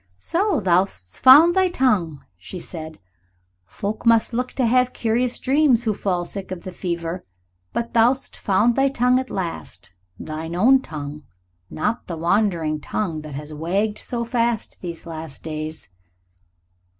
"So thou'st found thy tongue," she said; "folk must look to have curious dreams who fall sick of the fever. But thou'st found thy tongue at last thine own tongue, not the wandering tongue that has wagged so fast these last days."